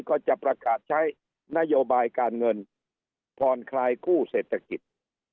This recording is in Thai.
ก็จะประกาศใช้นโยบายการเงินผ่อนคลายคู่เศรษฐกิจ